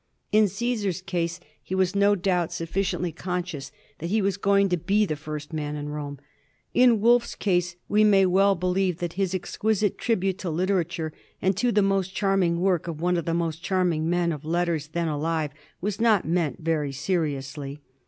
In Caesar's case he was, no doubt, sufficiently conscious that he was going to be the first man in Rome. In Wolfe's case we may well be lieve that his exquisite tribute to literature, and to the most charming work of one of the most charming men of letters then alive, was not meant very seriously.